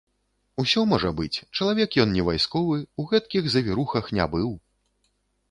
Усё можа быць, чалавек ён не вайсковы, у гэткіх завірухах не быў.